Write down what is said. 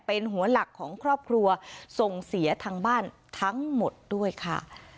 เป็นหัวหลักของครอบครัวส่งเสียทางบ้านทั้งหมดด้วยค่ะ